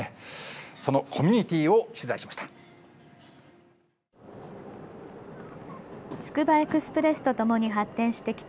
そのコミュニティーを取材しました。